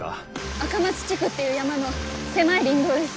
赤松地区っていう山の狭い林道です。